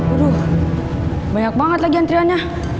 aduh banyak banget lagi antriannya